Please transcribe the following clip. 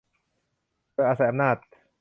โดยอาศัยอำนาจ